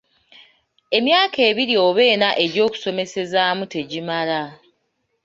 Emyaka ebiri oba enna egy’okusomeseezaamu tegimala.